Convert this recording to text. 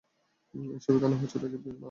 এসব এখানে হচ্ছেটা কী, বাবা?